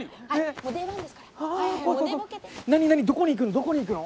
どこに行くの？